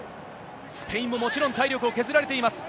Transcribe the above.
スペインももちろん、体力を削られています。